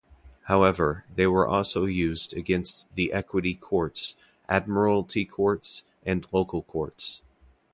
However, they were also used against the equity courts, admiralty courts, and local courts.